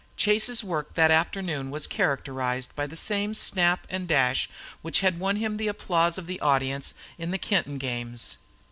Chase's work that afternoon was characterized by the same snap and dash which had won him the applause of the audience in the Kenton games.